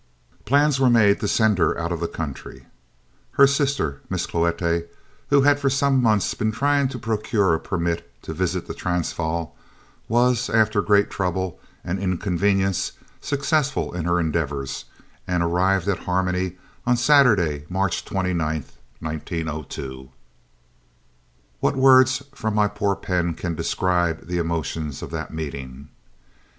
Plans were made to send her out of the country. Her sister, Mrs. Cloete, who had for some months been trying to procure a permit to visit the Transvaal, was, after great trouble and inconvenience, successful in her endeavours and arrived at Harmony on Saturday, March 29th, 1902. What words from my poor pen can describe the emotions of that meeting?